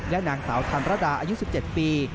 นางสาวทันรดาอายุ๑๗ปี